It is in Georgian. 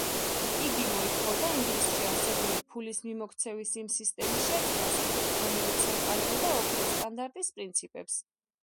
იგი მოითხოვდა ინგლისში არსებული ფულის მიმოქცევის იმ სისტემის შეცვლას, რომელიც ემყარებოდა ოქროს სტანდარტის პრინციპებს.